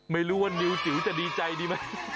ไม่รู้ว่านิวจิ๋วจะดีใจดีไหม